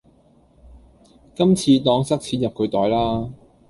今次當塞錢入佢袋啦